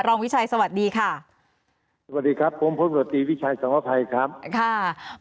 รองวิชัยสวัสดีค่ะหวัดดีครับผมภนวดตรีวิชัยสังผัยครับ